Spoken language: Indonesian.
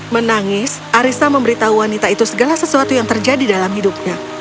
menangis arissa memberitahu wanita itu segala sesuatu yang terjadi dalam hidupnya